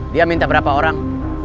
dia minta berapa orang